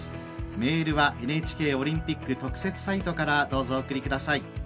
メールはＮＨＫオリンピック特設サイトからどうぞお送りください。